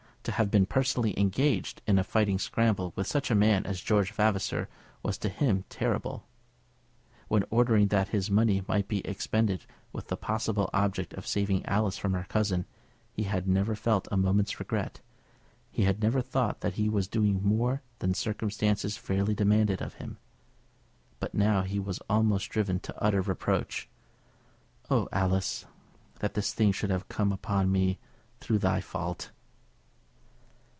To have been personally engaged in a fighting scramble with such a man as George Vavasor was to him terrible. When ordering that his money might be expended with the possible object of saving Alice from her cousin, he had never felt a moment's regret; he had never thought that he was doing more than circumstances fairly demanded of him. But now he was almost driven to utter reproach. "Oh, Alice! that this thing should have come upon me through thy fault!"